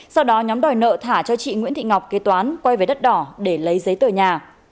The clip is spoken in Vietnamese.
sau đó nhóm đòi nợ thả cho chị nguyễn thị ngọc kế toán quay về đất đỏ để lấy giấy tờ nhà